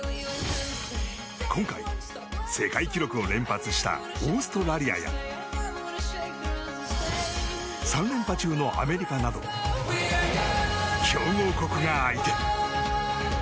今回、世界記録を連発したオーストラリアや３連覇中のアメリカなど強豪国が相手。